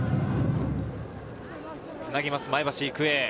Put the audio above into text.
つなぎます、前橋育英。